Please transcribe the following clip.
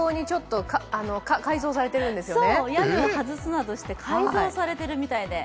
屋根を外すなどして改造されてるみたいで。